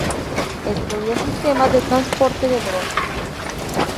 Estudia sistemas de transporte de drogas.